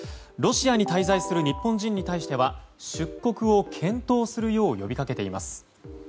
ロシアに滞在する日本人に対して出国を検討するよう呼びかけています。